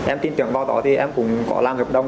em tin tưởng vào đó thì em cũng có làm hợp đồng